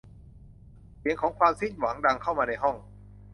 เสียงของความสิ้นหวังดังเข้ามาในห้อง